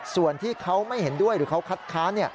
ส่วนที่เขาไม่เห็นด้วยหรือเขาคัดค้าน